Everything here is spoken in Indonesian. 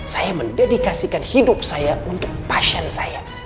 saya mendedikasikan hidup saya untuk pasien saya